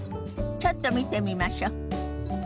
ちょっと見てみましょ。